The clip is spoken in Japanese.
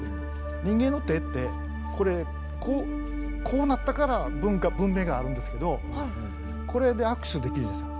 人間の手ってこれこうなったから文化文明があるんですけどこれで握手できるじゃないですか。